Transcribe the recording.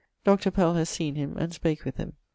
Dr. Pell has seen him, and spake with him.